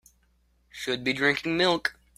Should be drinking milk.